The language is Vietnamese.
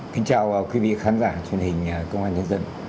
kính chào quý vị khán giả truyền hình công an nhân dân